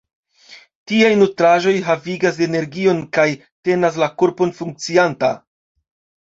Tiaj nutraĵoj havigas energion kaj tenas la korpon funkcianta.